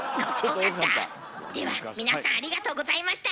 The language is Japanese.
では皆さんありがとうございました。